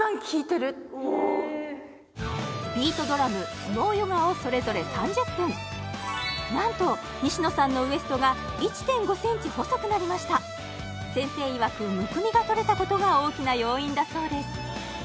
ビートドラム相撲ヨガをそれぞれ３０分なんと西野さんのウエストが１．５ｃｍ細くなりました先生いわくむくみが取れたことが大きな要因だそうです